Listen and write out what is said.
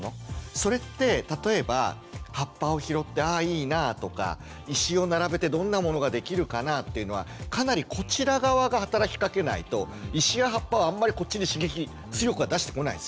それって例えば葉っぱを拾ってああいいなとか石を並べてどんなものができるかな？っていうのはかなりこちら側が働きかけないと石や葉っぱはあんまりこっちに刺激強くは出してこないんですよね。